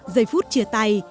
giây phút chia tay